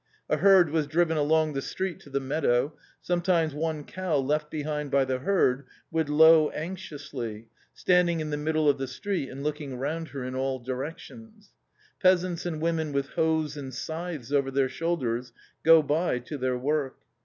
A herd was driven along the street to the meadow. Sometimes one cow left behind by the herd would low anxiously, standing in the middle of the street and looking round her in all directions. Peasants and women with hoes and scythes over their shoulders go by to their work.